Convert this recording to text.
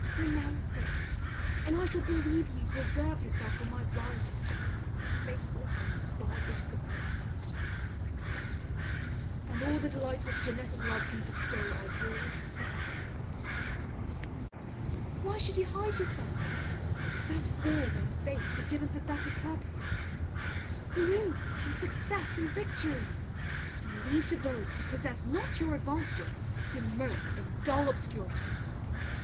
Renounce it, and I shall believe you reserve yourself for my rival, the faithless and barbarous Sibella. Accept it, and all the delights which Janetta's love can bestow are your's for ever. Why should you hide yourself? That form and face were given for better purposes. Bloom in success and victory! And leave to those who possess not your advantages to mope in dull obscurity!